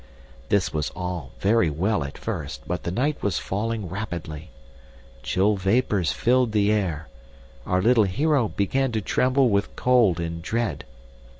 "This was all very well at first, but the night was falling rapidly. Chill vapors filled the air. Our little hero began to tremble with cold and dread.